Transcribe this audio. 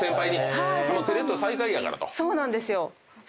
そうなんですよ。